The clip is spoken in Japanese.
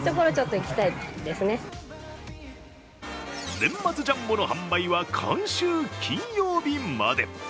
年末ジャンボの販売は、今週金曜日まで。